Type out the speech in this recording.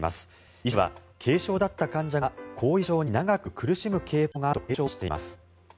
医師は、軽症だった患者が後遺症に長く苦しむ傾向があると警鐘を鳴らしています。